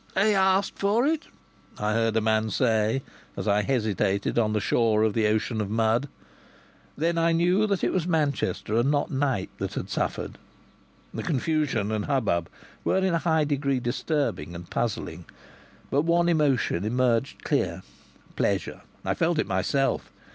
"He asked for it!" I heard a man say as I hesitated on the shore of the ocean of mud. Then I knew that it was Manchester and not Knype that had suffered. The confusion and hubbub were in a high degree disturbing and puzzling. But one emotion emerged clear: pleasure. I felt it myself.